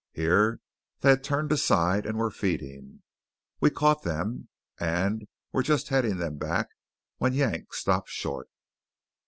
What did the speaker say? Here they had turned aside and were feeding. We caught them, and were just heading them back, when Yank stopped short.